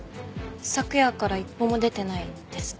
昨夜から一歩も出てないです。